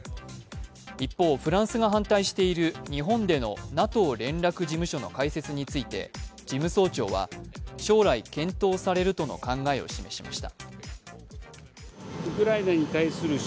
一方、フランスが反対している日本でのＮＡＴＯ連絡事務所の開設について事務総長は、将来検討されるとの考えを示しました。